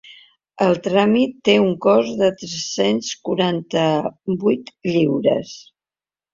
El tràmit té un cost de tres-cents quaranta-vuit lliures.